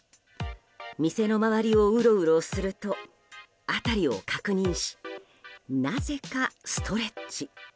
店の周りをうろうろすると辺りを確認しなぜかストレッチ。